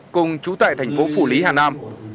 cùng trú tại thành phố phủ lý hà nam